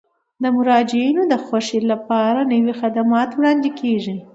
د مراجعینو د خوښۍ لپاره نوي خدمات وړاندې کیږي.